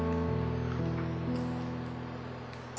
ตกตุ้งก็ต่างกว่าไม่มีสิทธิ์กับข้าวกินอะไรก็มีกิน